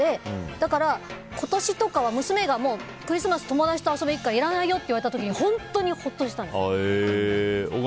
だから今年とかは娘がクリスマス友達と遊びに行くからいらないって言われた時本当にほっとしたんです。